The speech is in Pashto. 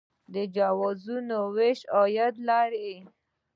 د جوازونو ویش عاید لري